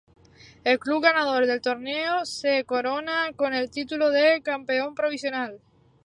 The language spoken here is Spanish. El club ganador del torneo se corona con el título de "Campeón Provincial".